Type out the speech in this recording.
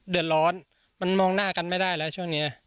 เดือดร้อนมันมองหน้ากันไม่ได้แล้วช่วงนี้